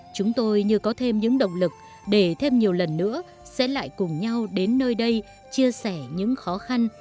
chúng tôi như có thêm những động lực để thêm nhiều lần nữa sẽ lại cùng nhau đến nơi đây chia sẻ những khó khăn